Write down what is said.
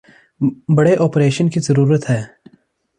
بڑے آپریشن کی ضرورت ہے